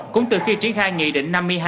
cũng từ khi triển khai nghị định năm mươi hai